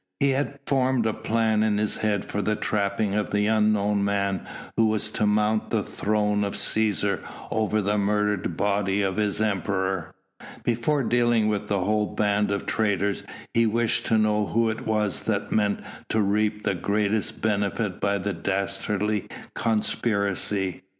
He had formed a plan in his head for the trapping of the unknown man who was to mount the throne of Cæsar over the murdered body of his Emperor. Before dealing with the whole band of traitors he wished to know who it was that meant to reap the greatest benefit by the dastardly conspiracy.